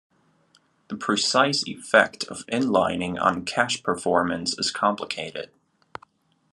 The precise effect of inlining on cache performance is complicated.